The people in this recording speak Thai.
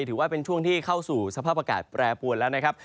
ถือว่าเป็นช่วงที่เข้าสู่สภาพอากาศแปรปวนแล้วนะครับ